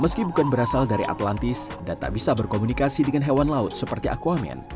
meski bukan berasal dari atlantis dan tak bisa berkomunikasi dengan hewan laut seperti aquamen